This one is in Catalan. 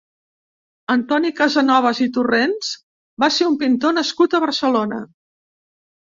Antoni Casanovas i Torrents va ser un pintor nascut a Barcelona.